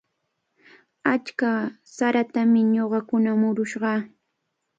Achka saratami ñuqakuna murushaq.